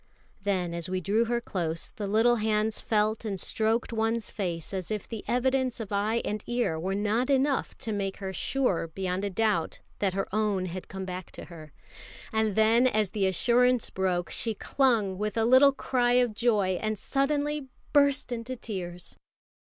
Then, as we drew her close, the little hands felt and stroked one's face as if the evidence of eye and ear were not enough to make her sure beyond a doubt that her own had come back to her; and then, as the assurance broke, she clung with a little cry of joy, and suddenly burst into tears.